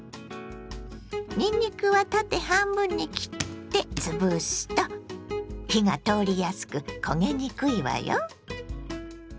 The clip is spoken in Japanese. にんにくは縦半分に切ってつぶすと火が通りやすく焦げにくいわよ。